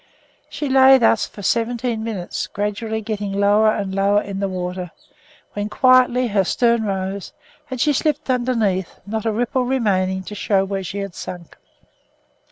She lay thus for seventeen minutes, gradually getting lower and lower in the water, when quietly her stern rose and she slipped underneath, not a ripple remaining to show where she had sunk.